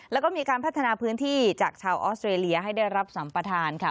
แล้วก็มีการพัฒนาพื้นที่จากชาวออสเตรเลียให้ได้รับสัมปทานค่ะ